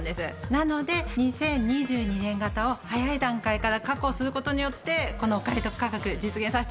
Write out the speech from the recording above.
なので２０２２年型を早い段階から確保する事によってこのお買い得価格実現させて頂きました！